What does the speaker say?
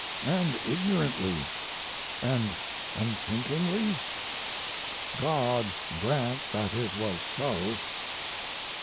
And ignorantly & unthinkingly? God grant that it was so!